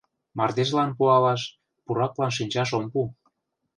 Мардежлан пуалаш, пураклан шинчаш ом пу.